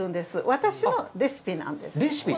私のレシピなんです。